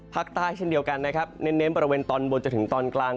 ภาคใต้เช่นเดียวกันนะครับเน้นบริเวณตอนบนจนถึงตอนกลาง